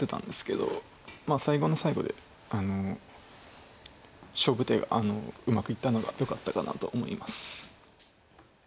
最後の最後で勝負手がうまくいったのがよかったかなと思います。